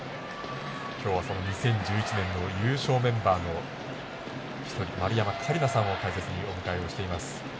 今日は２０１１年の優勝メンバーの一人丸山桂里奈さんを解説にお迎えをしております。